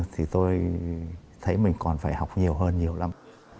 thì tôi thấy mình còn phải học nhiều hơn nhiều lắm